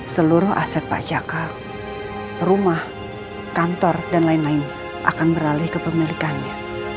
seluruh aset pak jaka rumah kantor dan lain lain akan beralih ke pemilikannya